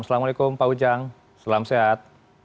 assalamualaikum pak ujang selamat sehat